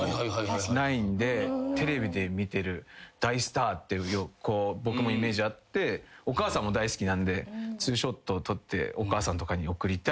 テレビで見てる大スターって僕もイメージあってお母さんも大好きなんで２ショットを撮ってお母さんとかに送りたいなっていうのはあります。